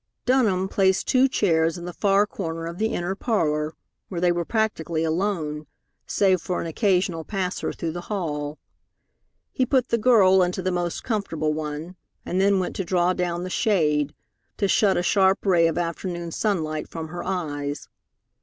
Dunham placed two chairs in the far corner of the inner parlor, where they were practically alone, save for an occasional passer through the hall. He put the girl into the most comfortable one, and then went to draw down the shade, to shut a sharp ray of afternoon sunlight from her eyes.